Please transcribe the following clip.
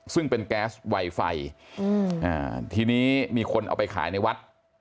ซึ่งเป็นแก๊สไวไฟอืมอ่าทีนี้มีคนเอาไปขายในวัด